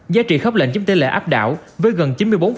giá trị khắp lệnh chứng tế lệ áp đảo với gần chín mươi bốn